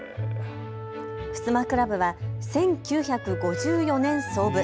襖クラブは１９５４年創部。